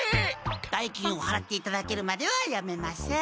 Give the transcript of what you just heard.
代金をはらっていただけるまではやめません。